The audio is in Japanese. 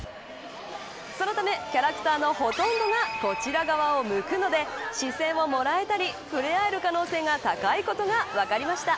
そのためキャラクターのほとんどがこちら側を向くので視線をもらえたり、触れ合える可能性が高いことが分かりました。